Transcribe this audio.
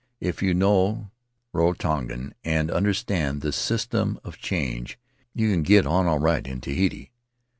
If you know Rarotongan and understand the system of change, you can get on all right in Tahiti.